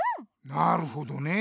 なるほどね。